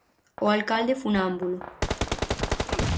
O alcalde funámbulo.